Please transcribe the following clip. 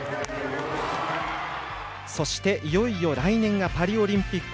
そして、いよいよ来年がパリオリンピック。